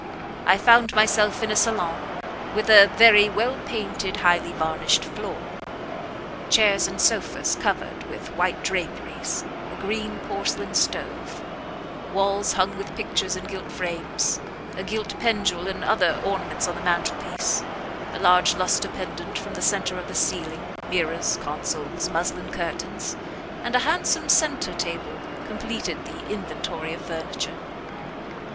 I found myself in a salon with a very well painted, highly varnished floor; chairs and sofas covered with white draperies, a green porcelain stove, walls hung with pictures in gilt frames, a gilt pendule and other ornaments on the mantelpiece, a large lustre pendent from the centre of the ceiling, mirrors, consoles, muslin curtains, and a handsome centre table completed the inventory of furniture.